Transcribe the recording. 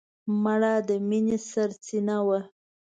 مړه د مینې سرڅینه وه